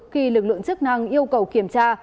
khi lực lượng chức năng yêu cầu kiểm tra